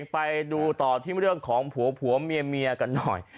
ไปดูต่อที่เรื่องของผัวผัวเมียกันหน่อย